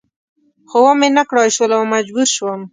خو و مې نه کړای شول او مجبور شوم.